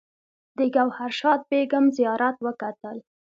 د ګوهر شاد بیګم زیارت وکتل.